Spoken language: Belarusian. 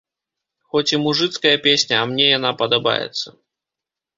Хоць і мужыцкая песня, а мне яна падабаецца.